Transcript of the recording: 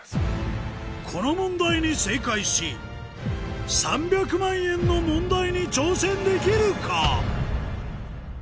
この問題に正解し３００万円の問題に挑戦できるか？